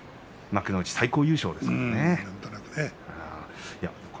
幕内最高優勝ですからね。